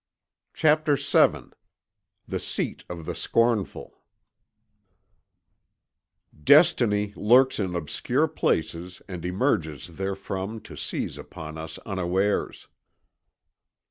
CHAPTER VII—THE SEAT OF THE SCORNFUL "Destiny lurks in obscure places and emerges therefrom to seize upon us unawares."